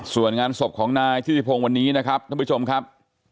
ส่วนงานศพของนายทิติพงศ์วันนี้นะครับท่านผู้ชมครับ